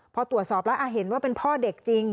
พอตรวจสอบแล้วเห็นว่าเป็นพ่อเด็กจริง